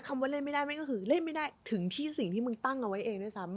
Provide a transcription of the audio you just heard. ว่าเล่นไม่ได้ไม่ก็คือเล่นไม่ได้ถึงที่สิ่งที่มึงตั้งเอาไว้เองด้วยซ้ำ